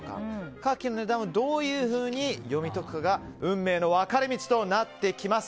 カキの値段をどういうふうに読み解くかが運命の分かれ道となってきます。